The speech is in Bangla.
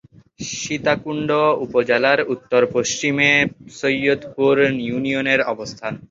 সীতাকুণ্ড উপজেলার উত্তর-পশ্চিমে সৈয়দপুর ইউনিয়নের অবস্থান।